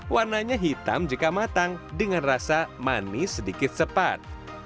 warnanya hitam jika matang dengan rasa manis sedikit sepat